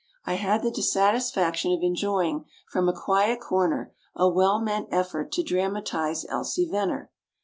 I had the dissatisfaction of enjoying from a quiet corner a well meant effort to dramatize "Elsie Veneer."